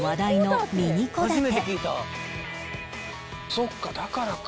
そっかだからか。